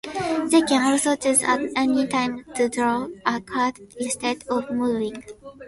They can also choose at any time to draw a card instead of moving.